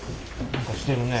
何かしてるね。